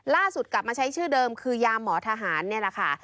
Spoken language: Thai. ล่าสุดกลับมาใช้ชื่อเดิมคือยาหมอทหารนี่แหละค่ะ